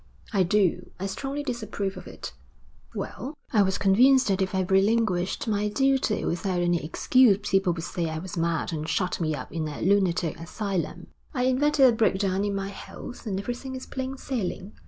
'I do. I strongly disapprove of it.' 'Well, I was convinced that if I relinquished my duties without any excuse people would say I was mad and shut me up in a lunatic asylum. I invented a breakdown in my health, and everything is plain sailing.